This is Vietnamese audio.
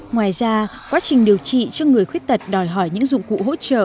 ngoài ra quá trình điều trị cho người khuyết tật đòi hỏi những dụng cụ hỗ trợ